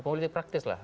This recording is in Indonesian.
pemilu praktis lah